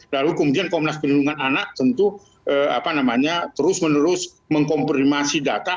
lalu kemudian komnas perlindungan anak tentu terus menerus mengkomprimasi data